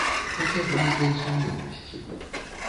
Хаця б нейкай сумленнасці.